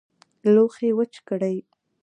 لوښي وچ کړئ